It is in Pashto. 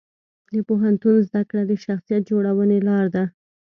د پوهنتون زده کړه د شخصیت جوړونې لار ده.